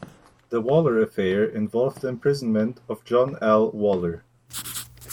The Waller Affair involved the imprisonment of John L. Waller.